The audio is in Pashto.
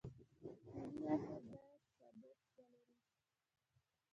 پولي واحد باید ثبات ولري